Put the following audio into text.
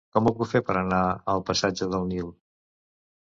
Com ho puc fer per anar al passatge del Nil?